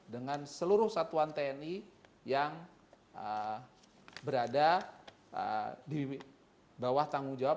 dengan seluruh satuan tni yang berada di bawah tanggung jawab